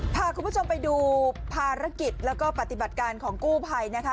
พาคุณผู้ชมไปดูภารกิจแล้วก็ปฏิบัติการของกู้ภัยนะคะ